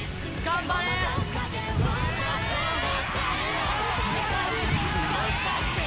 頑張れ！